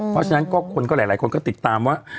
เพราะฉะนั้นก็คนก็หลายคนก็ติดตามว่า